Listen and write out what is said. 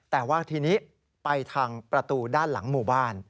แต่ว่าทีนี้ไปทางประตูด้านหลังหมู่บ้าน